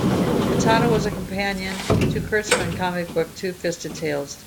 The title was a companion to Kurtzman's comic book "Two-Fisted Tales".